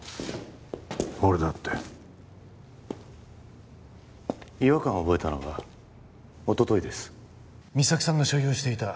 俺だって違和感を覚えたのはおとといです実咲さんが所有していた